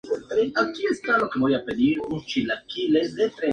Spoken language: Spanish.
Además el casco urbano cuenta con numerosos barrios.